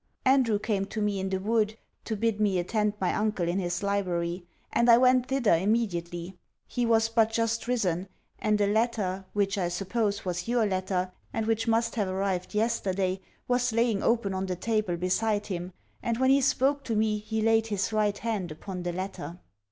Andrew came to me in the wood, to bid me attend my uncle in his library; and I went thither immediately. He was but just risen; and a letter, which I suppose was your letter, and which must have arrived yesterday, was laying open on the table beside him; and when he spoke to me he laid his right hand upon the letter.